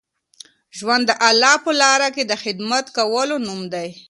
ژوند د الله په لاره کي د خدمت کولو نوم دی.